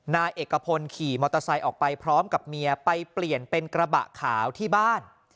นายเอกพลขี่มอเตอร์ไซค์ออกไปพร้อมกับเมียไปเปลี่ยนเป็นกระบะขาวที่บ้าน